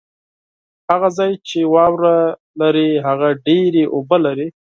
هغه ځای چې واوره لري ، هغه ډېري اوبه لري